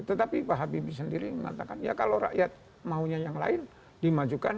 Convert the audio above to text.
tetapi pak habibie sendiri mengatakan ya kalau rakyat maunya yang lain dimajukan